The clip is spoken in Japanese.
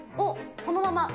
このまま。